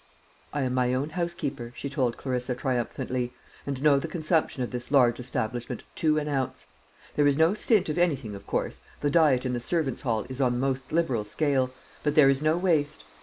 "I am my own housekeeper," she told Clarissa triumphantly, "and know the consumption of this large establishment to an ounce. There is no stint of anything, of course. The diet in the servant's hall is on the most liberal scale, but there is no waste.